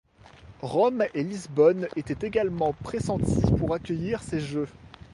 Rome et Lisbonne étaient également pressenties pour accueillir ces Jeux.